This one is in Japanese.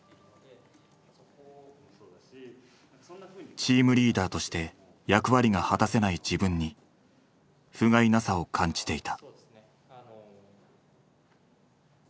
チームリーダーとして役割が果たせない自分にふがいなさを感じていた。